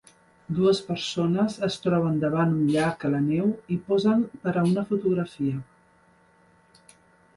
Dues persones es troben davant un llac a la neu i posen per a una fotografia.